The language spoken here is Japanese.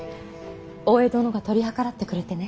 大江殿が取り計らってくれてね